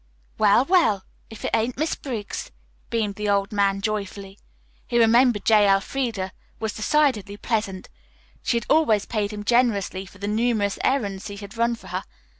"Well, well, if it ain't Miss Briggs," beamed the old man joyfully. His remembrance of J. Elfreda was decidedly pleasant. She had always paid him generously for the numerous errands he had run for her.